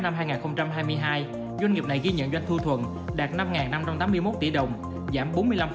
năm hai nghìn hai mươi hai doanh nghiệp này ghi nhận doanh thu thuần đạt năm năm trăm tám mươi một tỷ đồng giảm bốn mươi năm